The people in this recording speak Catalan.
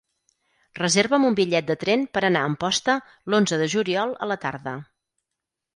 Reserva'm un bitllet de tren per anar a Amposta l'onze de juliol a la tarda.